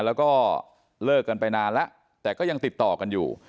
แล้วก็เลิกกันไปนานแล้วแต่ก็ยังติดต่อกันอยู่